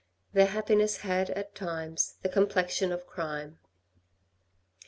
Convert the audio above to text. Their happiness had at times the complexion of crime.